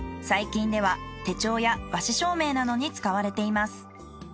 最近では手帳や和紙照明などに使われています。